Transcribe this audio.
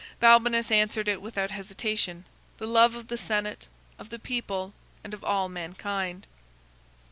Balbinus answered it without hesitation—"The love of the senate, of the people, and of all mankind."